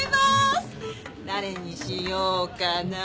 誰にしようかな。